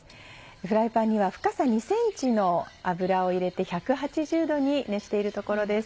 フライパンには深さ２ｃｍの油を入れて１８０℃に熱しているところです。